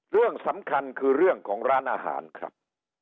เรื่องสำคัญคือเรื่องของร้านอาหารครับ